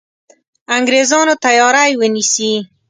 انګرېزانو تیاری ونیسي.